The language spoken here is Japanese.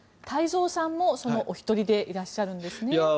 太蔵さんもそのお一人でいらっしゃるんですね。